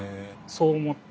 そう思ってもう。